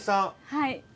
はい。